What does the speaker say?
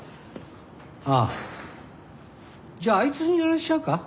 ああじゃああいつにやらせちゃうか？